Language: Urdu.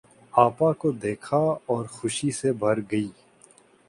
آپا کو دیکھا اور خوشی سے بھر گئی۔